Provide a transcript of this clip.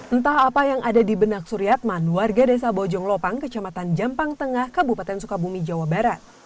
entah apa yang ada di benak suryatman warga desa bojong lopang kecamatan jampang tengah kabupaten sukabumi jawa barat